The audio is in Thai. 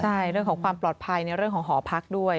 ใช่เรื่องของความปลอดภัยในเรื่องของหอพักด้วย